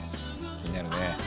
気になるね。